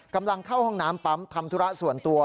กำลังเข้าห้องน้ำปั๊มทำธุระส่วนตัว